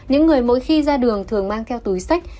những người mỗi khi ra đường thường mang theo túi sách